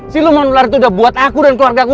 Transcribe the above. siluman ular itu udah buat aku dan keluarga aku